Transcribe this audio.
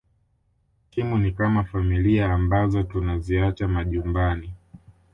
Timu ni kama familia ambazo tunaziacha majumbani